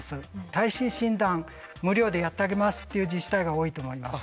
耐震診断無料でやってあげますっていう自治体が多いと思います。